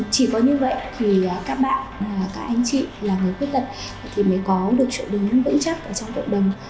chỉ có như vậy thì các bạn các anh chị là người khuyết tật thì mới có được sự đứng vững chắc ở trong cộng đồng